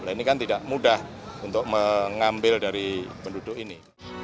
nah ini kan tidak mudah untuk mengambil dari penduduk ini